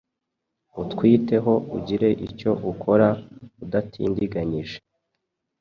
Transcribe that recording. utwiteho ugire icyo ukora udatindiganyije!